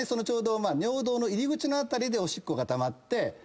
ちょうど尿道の入り口の辺りでおしっこがたまって。